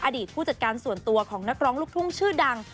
ผู้จัดการส่วนตัวของนักร้องลูกทุ่งชื่อดัง